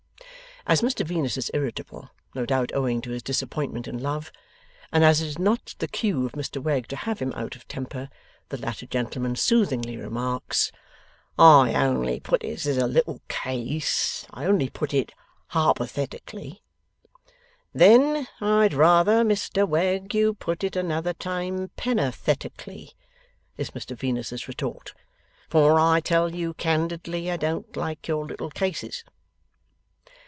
As Mr Venus is irritable (no doubt owing to his disappointment in love), and as it is not the cue of Mr Wegg to have him out of temper, the latter gentleman soothingly remarks, 'I only put it as a little case; I only put it ha'porthetically.' 'Then I'd rather, Mr Wegg, you put it another time, penn'orth etically,' is Mr Venus's retort, 'for I tell you candidly I don't like your little cases.